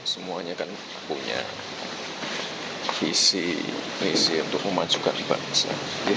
semuanya kan punya visi misi untuk memajukan bangsa